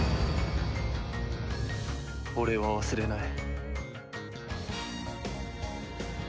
俺は忘れない。